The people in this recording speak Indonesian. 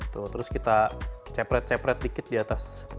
terus kita cepret cepret dikit di atas